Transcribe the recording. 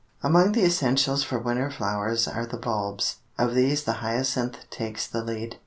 Among the essentials for winter flowers are the bulbs. Of these the hyacinth takes the lead.